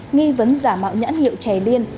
nghi vấn giả mạo nhãn hiệu chè liên